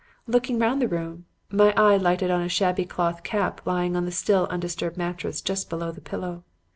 Looking round the room, my eye lighted on a shabby cloth cap lying on the still undisturbed mattress just below the pillow.